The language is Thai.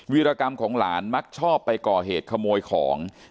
วิรกรรมของหลานมักชอบไปก่อเหตุขโมยของ